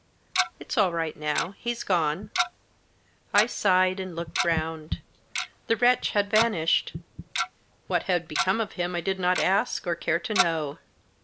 " It's all right now ; he's gone." I sighed, and looked round. The wretch had vanished. What had become of him I did not ask, or care to know.